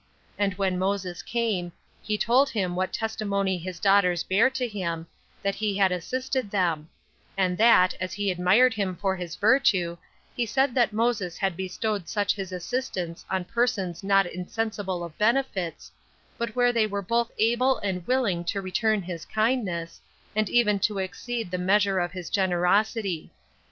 And when Moses came, he told him what testimony his daughters bare to him, that he had assisted them; and that, as he admired him for his virtue, he said that Moses had bestowed such his assistance on persons not insensible of benefits, but where they were both able and willing to return the kindness, and even to exceed the measure of his generosity.